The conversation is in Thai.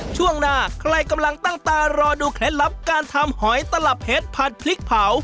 ช่วงหน้าใครกำลังตั้งตารอดูเคล็ดลับการทำหอยตลับเพชรผัดพริกเผา